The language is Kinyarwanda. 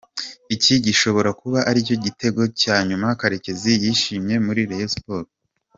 iki gishobora kuba aricyo gitego cya nyuma Karekezi yishimiye muri Rayon Sports.